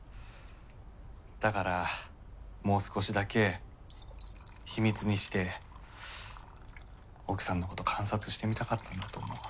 だからもう少しだけ秘密にして奥さんのこと観察してみたかったんだと思う。